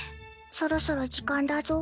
そろそろ時間だぞ。